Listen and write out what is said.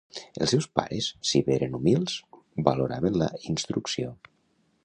Els seus pares, si bé eren humils, valoraven la instrucció.